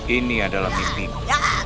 ini adalah mimpimu